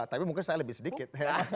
tapi mungkin saya lebih sedikit